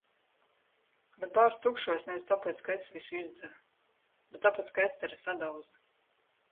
Bet bārs tukšojas nevis tāpēc, ka es visu izdzeru. Bet tāpēc ka Estere sadauza.